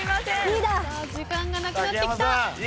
時間がなくなってきた。